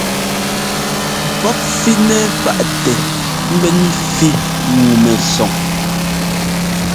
Pɔ́p fínɛ́ paʼtɛ mbɛ́n ɛ́fí ŋu mɛsɔng.